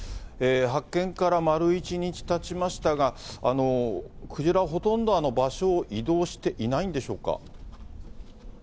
発見から丸１日たちましたが、クジラはほとんど場所を移動していないんでしょうか。